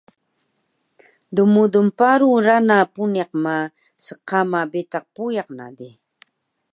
dmudul paru rana puniq ma sqama betaq puyaq na di